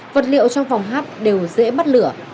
vật liệu trong phòng hát đều